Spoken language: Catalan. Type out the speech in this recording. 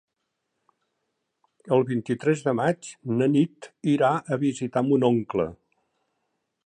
El vint-i-tres de maig na Nit irà a visitar mon oncle.